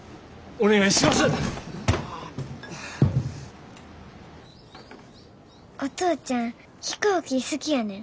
お父ちゃん飛行機好きやねん。